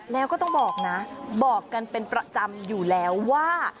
แล้วก็ต้องบอกนะบอกกันเป็นประจำอยู่แล้วว่า